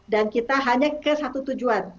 dan kita hanya ke satu tujuan